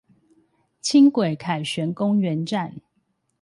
輕軌凱旋公園站